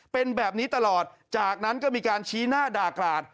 เป็นแบบนี้ตลอดจากนั้นก็มีการชี้หน้าด่ากราด